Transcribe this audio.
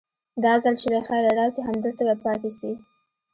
دا ځل چې له خيره راسي همدلته به پاته سي.